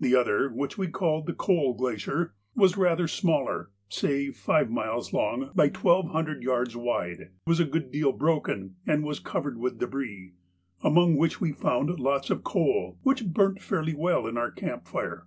The other, which we called the Coal Glacier, was rather smaller, say five miles long by twelve hundred yards wide, was a good deal broken, and was covered with débris, among which we found lots of coal which burnt fairly well in our camp fire.